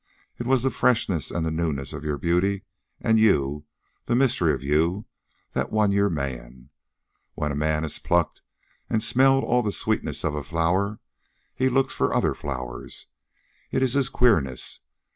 It was the freshness and the newness of your beauty and you, the mystery of you, that won your man. When a man has plucked and smelled all the sweetness of a flower, he looks for other flowers. It is his queerness.